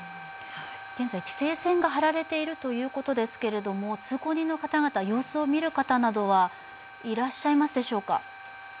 現在、規制線が張られているということですけれど通行人の方々、様子を見る方などはいらっしゃいますでしょうか？